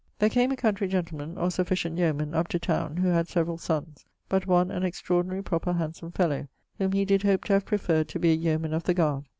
There came a countrey gentleman (or sufficient yeoman) up to towne, who had severall sonns, but one an extraordinary proper handsome fellowe, whom he did hope to have preferred to be a yeoman of the guard.